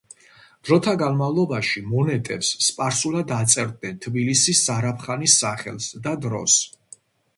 დროთა განმავლობაში მონეტებს სპარსულად აწერდნენ თბილისის ზარაფხანის სახელს და დროს.